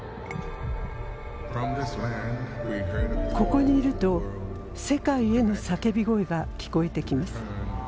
ここにいると世界への叫び声が聞こえてきます。